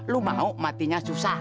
lu mau matinya susah